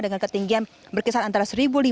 dengan ketinggian berkisar antara satu lima ratus